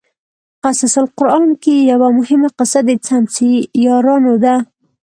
قصص القران کې یوه مهمه قصه د څمڅې یارانو ده.